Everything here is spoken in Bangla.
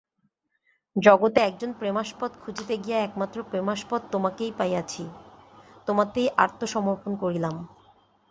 জগতে একজন প্রেমাস্পদ খুঁজিতে গিয়া একমাত্র প্রেমাস্পদ তোমাকেই পাইয়াছি, তোমাতেই আত্মসমর্পণ করিলাম।